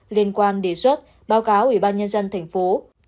liên quan đề xuất báo cáo ủy ban nhân dân thành phố